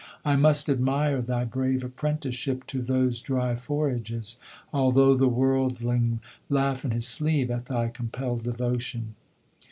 I must admire thy brave apprenticeship To those dry forages, although the worldling Laugh in his sleeve at thy compelled devotion.